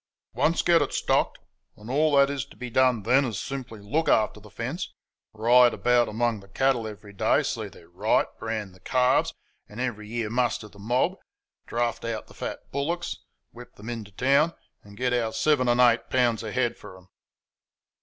"Once get it STOCKED, and all that is to be done then is simply to look after the fence, ride about among the cattle every day, see they're right, brand the calves, and every year muster the mob, draft out the fat bullocks, whip them into town, and get our seven and eight pounds a head for them."